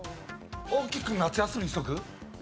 大きく夏休みにしとく？